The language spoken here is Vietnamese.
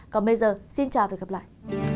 còn bây giờ xin chào và hẹn gặp lại